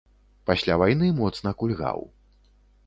Пасля вайны моцна кульгаў.